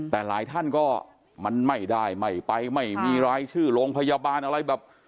แต่หลายท่านก็มันไม่ได้ไม่ไปไม่มีรายชื่อโรงพยาบาลอะไรแบบ